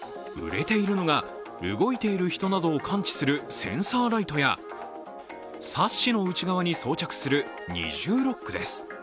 売れているのが、動いている人などを感知するセンサーライトやサッシの内側に装着する二重ロックです。